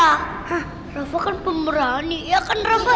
hah rafa kan pemerani iya kan rafa